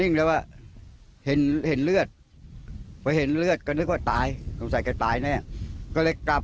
ก็นะว่าเห็นเลือดก็ดูเขานึกว่าตายถูกต่อแต่ก็ตายแน่ก็เลยกลับ